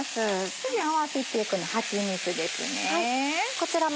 次合わせていくのはちみつです。